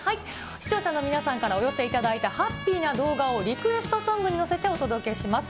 視聴者の皆様からお寄せいただいたハッピーな動画をリクエストソングに乗せてお届けします。